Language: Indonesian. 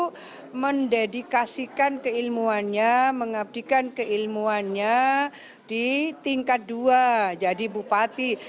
itu mendedikasikan keilmuannya mengabdikan keilmuannya di tingkat dua jadi bupati